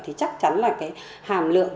thì chắc chắn là cái hàm lượng